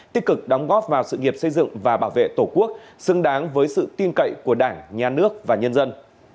tích cực đóng góp vào sự nghiệp xây dựng và bảo vệ tổ quốc xứng đáng với sự tin cậy của đảng nhà nước và nhân dân